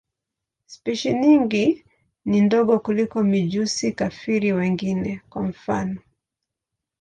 Spishi nyingi ni ndogo kuliko mijusi-kafiri wengine, kwa mfano.